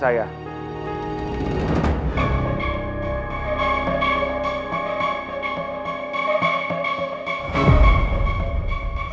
dan saya akan mencari